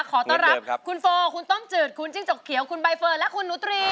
ขอต้อนรับคุณโฟคุณต้มจืดคุณจิ้งจกเขียวคุณใบเฟิร์นและคุณหนูตรี